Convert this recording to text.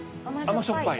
甘しょっぱい？